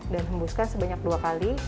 dan hembuskan sebanyak dua kali